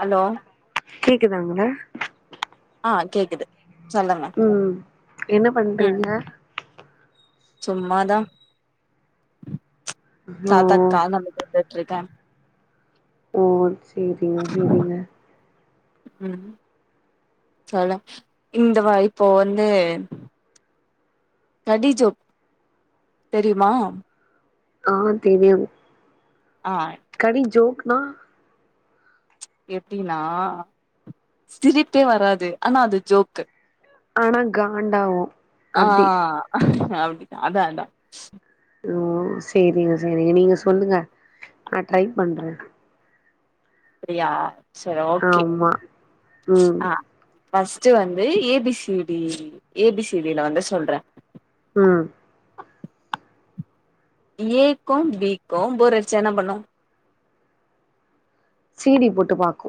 Hello கேக்குதாங்க madam ஆ கேக்குது சொல்லுங்க ம் என்ன பண்றீங்க? சும்மாதா ஓ தாத்தாக்கு கால் அமுத்தி விட்டுட்டு இருக்கேன் ஓ சேரிங்க சேரிங்க ம் சொல்லுங் இந்த வ இப்போ வந்து கடி ஜோக் தெரிமா ஆ தெரியு ஆ கடி ஜோக்னா எப்டின்னா சிரிப்பே வராது ஆனா அது ஜோக்கு ஆனா காண்டாவு ஆ அப்டி அப்டிதா அதா அதா ஓ செரிங்க செரிங்க நீங்க சொல்லுங்க நா ட்ரை பண்ற அப்டியா சரி ஓகே ஆமா ம் ஆ ஃபஸ்ட் வந்து A B C D A B C D ல வந்து சொல்றே ம் ஏ க்கும் பி க்கு போரடிச்சா என்ன பண்ணு சீ டி போட்டு பாக்கு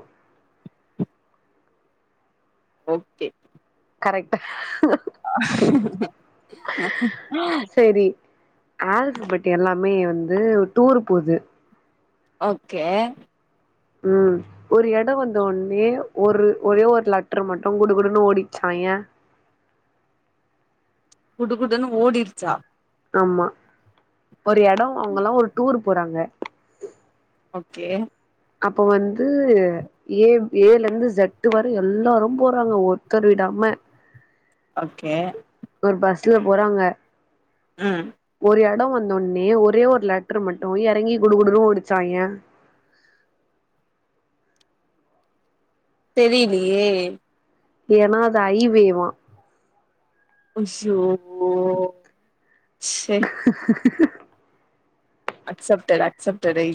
ஓகே கரெக்ட் சரி ஆல்பஃப்பட் எல்லாமே வந்து டூர் போது ஒகே ம் ஒரு எடோ வந்தோன்னே ஒரு ஒரே ஒரு லட்ரு மட்டு குடு குடுன்னு ஓடிர்ச்சா ஏ குடுகுடுன்னு ஓடிருச்சா ஆமா ஒரு எடோ அவங்கல்லா ஒரு டூர் போறாங்க ஒகெ அப்போ வந்து ஏ ஏல இருந்து ஷெட்டு வர எல்லாரு போறாங்க ஒருத்தர் விடாம ஒகே ஒரு பஸ்ல போறாங்க ம் ஒரு எடோ வந்தோன்னே ஒரே ஒரு லெட்ரு மட்டு எறங்கி குடு குடுன் ஓடுச்சா ஏ தெரிலியே ஏனா அது ஐ வேவா அஷ்யோ அக்சப்டடு அக்சப்டடு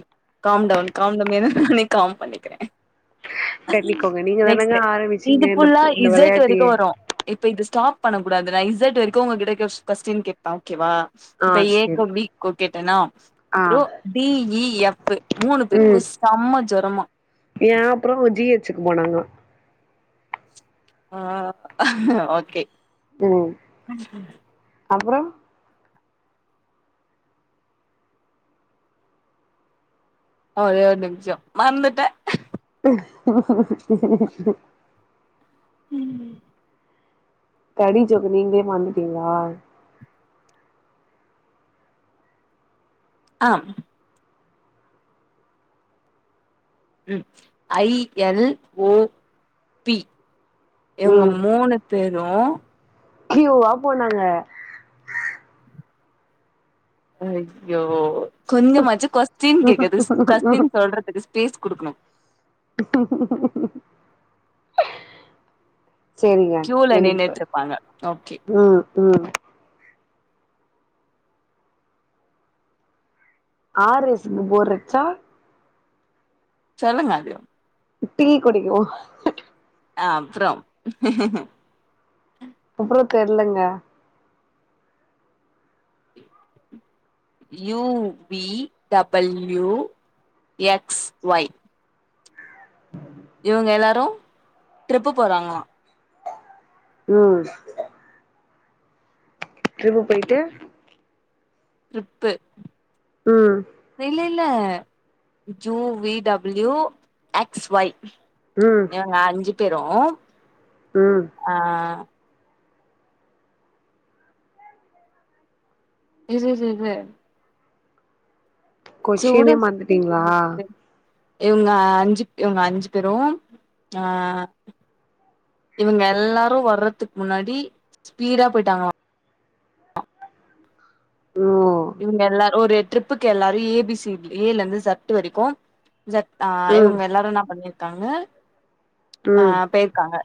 காம்டவுன் காம்டவுன் என்ன நானே காம் பண்ணிக்கிறே கட்டிக்கோங்க நீங்க தானங்க நெக்ஸ்ட் ஆரம்பிச்சீங்க இது இந்த ஃபுல்லா இந்த இசட் வரைக்கு வெளையாட்டையே வரு இப்ப இது ஸ்டாப் பண்ணக் கூடாது நா இசட் வரைக்கு உங்ககிட்ட கொஸ் கொஸ்டீன் கேப்ப ஒகெவா ஆ இப்ப ஏ சேரி க்கு பி க்கு கேட்டனா ஆ அப்றோ டி இ எஃப் மூணு பேர்க்கு ம் செம்ம ஜொரமா ஏ அப்றோ அவங்க ஜி ஹெச்சு க்கு போனாங்க ஆ ஓகே ம் அப்றோ ஒரே ஒரு நிமிசோ மறந்துட்ட ம்ம் ம் கடி ஜோக் நீங்களே மறந்துட்டீங்ளா ஆம் ம் ஐ எல் ஓ பி இவுங்க ம் மூணு தேரு க்யூவா போனாங்க கொஞ்சமாச்சு கொஸ்டின் கேக்கறது கொஸ்டின் சொல்றதுக்கு ஸ்பேஸ் குடுக்கணு ம்ம் சேரிங்க கியூல எனக் இப்ப நின்னுட்டு இருப்பாங்க ஓகே ம் ம் ஆர் எஸ்க்கு போறச்சா சொல்லுங்க அதயு டீ குடிக்கு ஆ அப்றோ அப்றோ தெர்லங்க U V W X Y இவுங்க எல்லாரு ட்ரிப்பு போறாங்ளா ம் ட்ரிப்பு போய்ட்டு ட்டுப்பு ம் இல௲ல இல்ல U V W X Y ம் இவுங்க அஞ்சு பேரு ம் ஆ யூசுஸ் இருக்கு கொஷினே செவுடு மறந்துட்டீங்களா இவுங்க அஞ்சு இவுங்கக அஞ்சு பேரு ஆ இவுங்க எல்லாரு வர்றதுக் முன்னாடி ஸ்பீடா போய்டிட்டாங்ளா ம் இவுங்க எல்லாரு ஒரு ட்ரிப்புக்கு எல்லாரு ஏ பி சி டி ஏல இருந்து ஜட்டு வரைக்கு ஜட் ஆ ம் இவுங்க எல்லாரு என்னா பண்ணிருக்காங்க ஆ ம் பேய்ருக்காங்க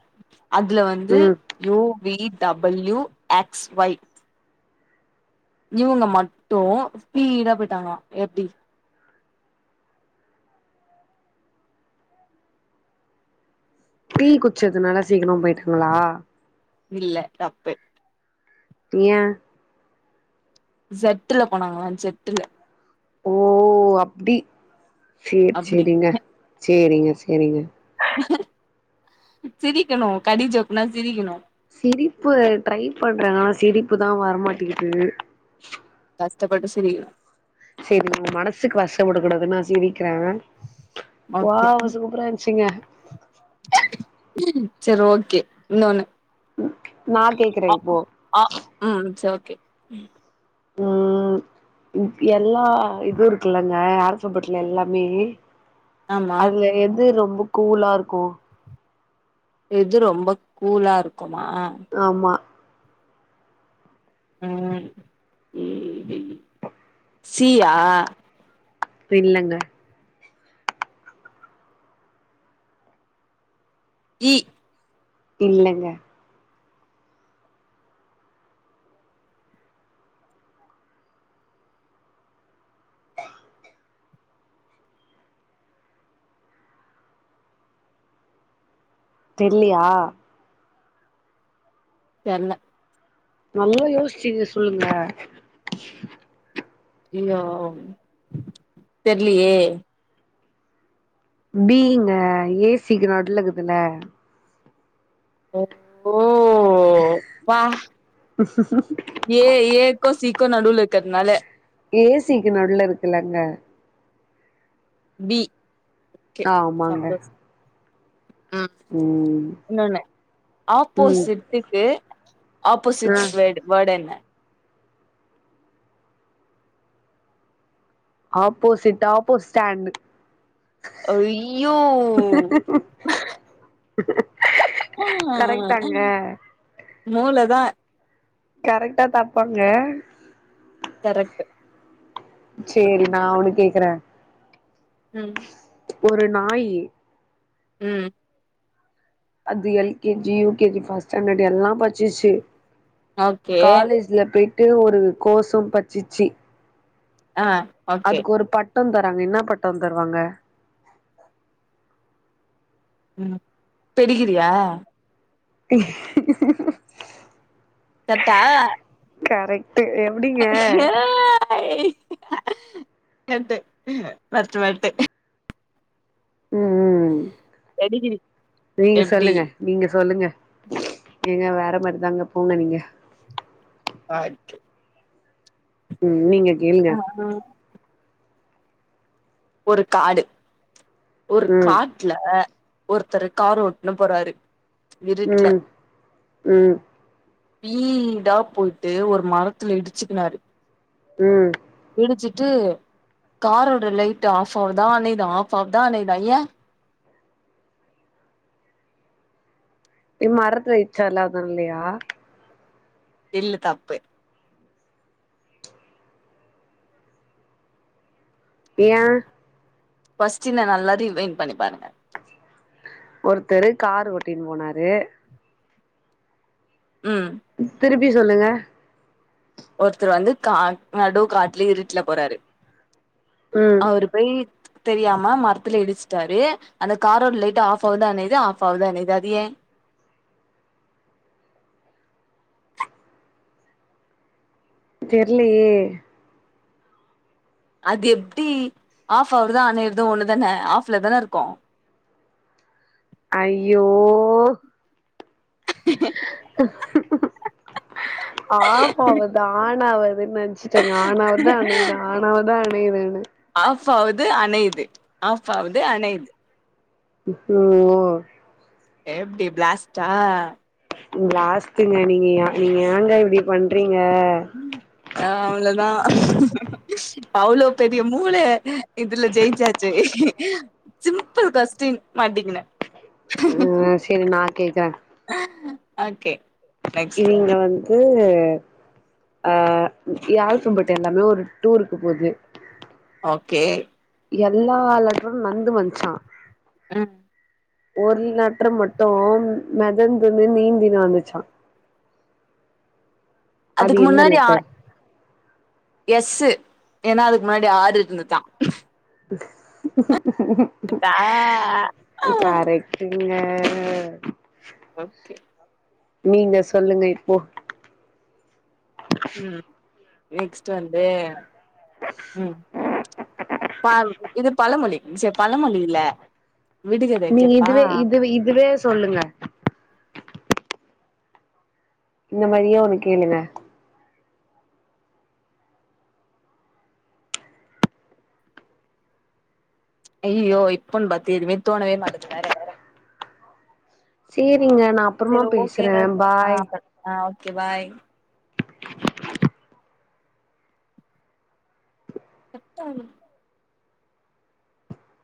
அதுல வந்து ம் U V W X Y இவுங்க மட் டு ஸ்பீடா போயிட்டாங்ளா எப்டி டீ குச்சதுனால சீக்கிரமா போயிட்டாங்ளா இல்ல தப்பு ஏன் ஜட்டுல போனாங்ளா ஜட்டுல ஓ அப்டி சேர் அப்டி செரிங்க செரிங்க செரிங்க சிரிக்கணு கடிஜோக்னா சிரிக்கணு சிரிப்பு ட்ரை பண்ற ஆனா சிரிப்புதா வர மாட்டிக்கிது கஷ்டப்பட்டு சிரிகனு செரி உங் மனசுக் கஷ்டப் படக்கூடாதுன்னு நா சிரிக்ற வாவ் சூப்பரா இன்ச்சிங்க செரி ஓகே இன்னொண்ணு நா கேக்குறே இப்போ ஆ ம் சேர் ஓகே ம் எல்லா இது இருக்குல்லங்க ஆரசப்பட்ல எல்லாமே ஆமா அதுல எது ரொம்ப கூலா இருக்கு எது ரொம்ப கூலா இருக்குமா ஆமா ம் எ பி சி யா பில்லங்க இ இல்லங்க தெரிலியா தெர்ல நல்லா யோசிச்சீங்க சொல்லுங்க யோ தெரலேயே பீ ங்க ஏ சி க்கு நடுலக்குதுல ஒ ஓ ப்பா ஏ ஏ க்கோ சீ க்கோ நடுவுல இருக்கிறதுனால ஏ சி க்கு நடுல இருக்குலங்க பி கே ஆமாங்க சந்தோஷம் ம் இன்னொன்னு ஆப்போ ம் சிட்டுக்கு ஆ ஆப்போசிட் வேட் வேட் என்ன ஆப்போசிட் ஆப்போ ஸ்டாண்ட் ஐய்யோ ஆ கரெக்டாங்க மூளை தா கரெக்டா தப்பாங்க கரக்ட் செரி நா ஒன்னு கேக்குறே ம் ஒரு நாயி ம் அது L K G U K G first standard எல்லா பச்சச்சு ஓகே காலேஜ் இதுல போயிட்டு ஒரு கோசு பச்சிச்சு ஆ ஓகே அதுக்கு ஒரு பட் டோ தராங்க என்னாப் பட்டோ தருவாங்க ம் பெடிக்கிறியா கரட்டா கரெக்ட் எப் ஏய் கரட்டு மெரட்டு மெரட்டு ம் ம் பெடிகிரி நீங்க எப்டி சொல்லுங்க நீங்க சொல்லுங்க நீங்க வேற மாரிதாங்க போங்க நீங்க ஆ செரி ம் நீங்க கேளுங்க அ ஒரு காடு ஒரு ம் காட்டுல ஒருத்தரு கார் ஓட்டுன்னு போறாரு இருட்ல ம் ம் பீடா போயிட்டு ஒரு மரத்துல இடிச்சுக்கினாரு ம் இடிச்சிட்டு காரோட லைட் ஆஃப் ஆவுதா அனையிதா ஆஃப் ஆவுதா அனையிதா ஏ இது மரத்துல இச்சாறுல அதாலையா இல்ல தப்பு ஏ கொஸ்ட்டின நல்லா ரிவைன்ட் பண்ணி பாருங்க ஒருத்தரு கார் ஒட்டின்னு போனாரு ம் திருப்பி சொல்லுங்க ஒருத்தரு வந்து கா நடு காட்டுல இருட்டுல போறாரு ம் அவரு போயி தெரியாம மரத்துல இடிச்சுட்டாரு அந்த காரோட லைட்டு் ஆஃப் ஆகுது அனையுது ஆஃப் ஆகுது அனையுது அது ஏ தெர்லயே அது எப்டி ஆஃப் ஆவுறது அனையிறது ஒண்ணுதானே ஆஃப்ல தானே இருக்கு ஐய்யோ ஆப் ஆவுறத ஆன் ஆவறதுன்னு நெனச் ச்ச ஆனாவுது அணையுது ஆனாவுது அணையுதுன்னு ஆஃப் ஆவுது அனையிது ஆஃப் ஆவுவது அனையிது ஓ எப்டி பிளாஸ்ட்டா பிளாஸ்டுங்க நீங்க நீங்க ஏங்க இப்டி பண்றீங்க ஆ அவ்ளோதா அவ்ளோ பெரிய மூள இதுல ஜெயிச்சாச்சு சிம்பிள் கொஸ்டின் மட்டிக்கின ஆ செரி நா கேக்குறே ஓகே நெக்ஸ்ட் இங்க வந் து ஆ ஆல்ஃபபெட் எல்லாமே ஒரு டூருக்கு போது ஓகே எல்லா லெட்டரு நடந்து வந்துச்சா ம் ஒரு லெட்டர் மட்டு மெதந்துனு நீந்தினு வந்துச்சா அது அதுக்கு என்ன முன்னாடி ஆ லெட்டர் எஸ்சு ஏன்னா அதுக்கு முன்னாடி ஆறு இருந்துதா உ கரெக்ட்டா ங்க ஓகே நீங்க சொல்லுங்க இப்போ ம் நெக்ஸ்ட்டு வந்து ப ம் ப இது பழமொழி பழமொழி இல்ல நீங்க இதுவே இதுவே இதுவே சொல்லுங்க இந்த மாரியே ஒன்னு கேளுங்க அய்யியோ இப்பன் பாத்து எதுமே தோணவே மாட்டுது வேற சேரிங்க நா அப்றமா சரி பேசுறே ஓகேங்க ஆ பாய் ஆ ஓகே பாய் [inaudible]